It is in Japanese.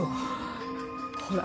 ほら。